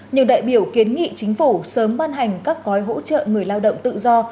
nhiều đại biểu kiến nghị chính phủ sớm ban hành các gói hỗ trợ người lao động tự do